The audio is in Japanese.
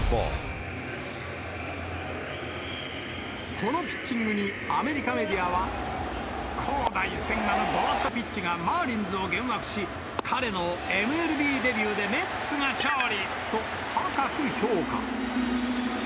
このピッチングにアメリカメディアは、コウダイ・センガのゴーストピッチがマーリンズを幻惑し、彼のＭＬＢデビューでメッツが勝利と、高く評価。